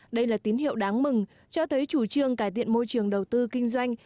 đây là tín hiệu đáng mừng cho thấy chủ trương cải thiện môi trường đầu tư kinh doanh